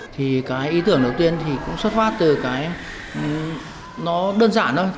thì cái ý tưởng đầu tiên thì cũng xuất phát từ cái nó đơn giản thôi